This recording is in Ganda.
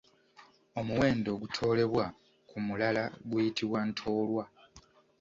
Omuwendo ogutoolebwa ku mulala guyitibwa Ntoolwa.